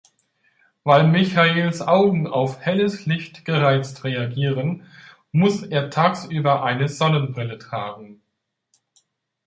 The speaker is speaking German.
Weil Michaels Augen auf helles Licht gereizt reagieren, muss er tagsüber eine Sonnenbrille tragen.